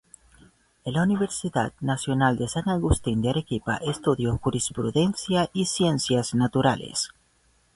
En la Universidad Nacional de San Agustín de Arequipa estudió Jurisprudencia y Ciencias Naturales.